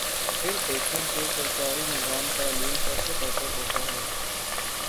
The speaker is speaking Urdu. پھر دیکھیں کہ سرکاری نظام تعلیم کیسے بہتر ہوتا ہے۔